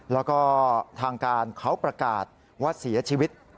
แล้วก็ทางการเขาประกาศว่าเสียชีวิต